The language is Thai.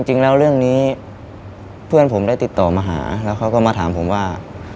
จริงแล้วเรื่องนี้เพื่อนผมได้ติดต่อมาหาแล้วเขาก็มาถามผมว่า